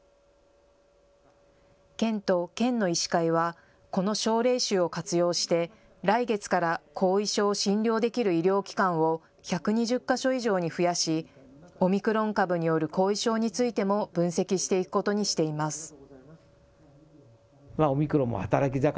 県と県の医師会はこの症例集を活用して来月から後遺症を診療できる医療機関を１２０か所以上に増やし、オミクロン株による後遺症についても分析していくことにしています。